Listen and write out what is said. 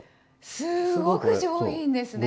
すごく上品ですね。